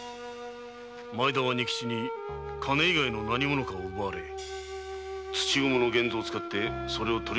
前田は仁吉に金以外の何物かを奪われ土蜘蛛の源三を使ってそれを取り戻そうとしたのではないか。